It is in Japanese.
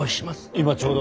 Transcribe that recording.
今ちょうど。